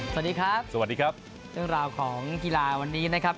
สวัสดีครับสวัสดีครับเรื่องราวของกีฬาวันนี้นะครับ